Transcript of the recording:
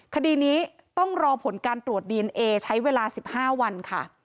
คดีนี้ต้องรอผลการตรวจดีเอนเอใช้เวลา๑๕วันค่ะ